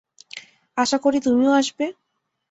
আশাকরি তুমিও আসবে?